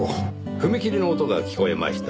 踏切の音が聞こえました。